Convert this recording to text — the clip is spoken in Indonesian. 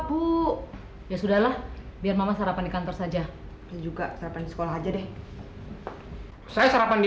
bu ya sudahlah biar mama sarapan di kantor saja juga serta di sekolah aja deh saya sarapan di